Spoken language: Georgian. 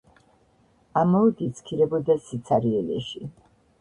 ამაოდ იცქირებოდა სიცარიელეში.